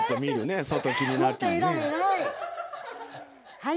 はい。